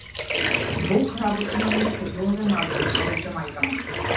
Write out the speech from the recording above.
Бог работи на мистериозен начин, рече мајка ми.